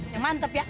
ya mantep ya